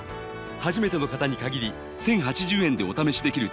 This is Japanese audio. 初めての方に限り１０８０円でお試しできるチャンスです